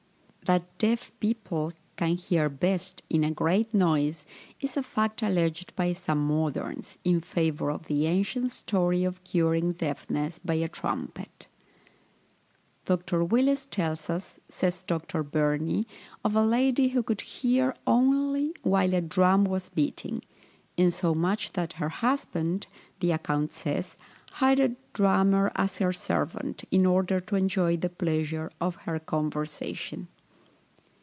That deaf people can hear best in a great noise, is a fact alleged by some moderns, in favour of the ancient story of curing deafness by a trumpet. Dr. Willis tells us, says Dr. Burney, of a lady who could hear only while a drum was beating, insomuch, that her husband, the account says, hired a drummer as her servant, in order to enjoy the pleasure of her conversation.